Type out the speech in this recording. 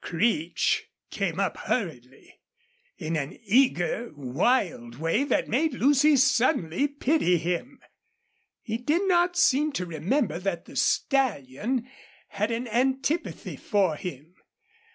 Creech came up hurriedly, in an eager, wild way that made Lucy suddenly pity him. He did not seem to remember that the stallion had an antipathy for him.